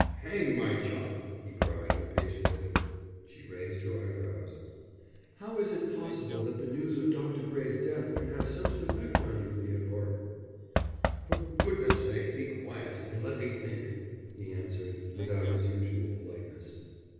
"Hang my chop," he cried, impatiently. She raised her eyebrows. "How is it possible that the news of Dr. Gray's death can have such an effect on you, Theodore?" "For goodness' sake be quiet, and let me think," he answered, without his usual politeness.